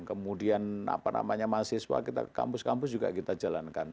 kemudian apa namanya mahasiswa kampus kampus juga kita jalankan